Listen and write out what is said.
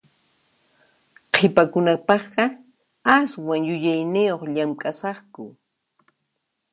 Qhipakunapaqqa aswan yuyayniyuq llamk'asaqku.